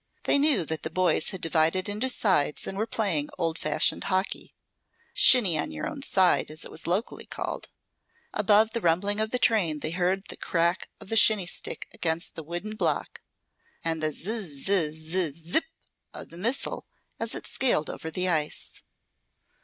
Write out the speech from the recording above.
They knew that the boys had divided into sides and were playing old fashioned hockey, "shinny on your own side" as it was locally called. Above the rumbling of the train they heard the crack of the shinny stick against the wooden block, and the "z z z zip!" of the missile as it scaled over the ice.